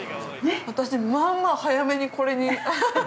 ◆私、まあまあ早目に、これに。